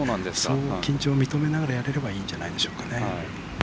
緊張を認めながらやればいいんじゃないでしょうか。